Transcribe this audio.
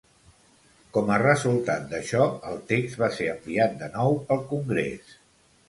Com a resultat d'això, el text va ser enviat de nou al Congrés.